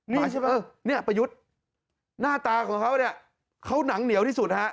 นี่ใช่ปะนี่ปายุทหน้าตาของเขาเขานังเหนียวที่สุด